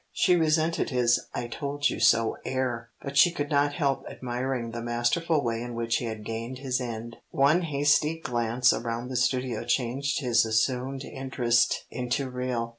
She resented his I told you so air, but she could not help admiring the masterful way in which he had gained his end. One hasty glance around the studio changed his assumed interest into real.